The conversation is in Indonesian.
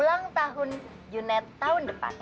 ulang tahun unit tahun depan